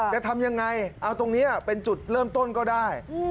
จะทำยังไงเอาตรงนี้เป็นจุดเริ่มต้นก็ได้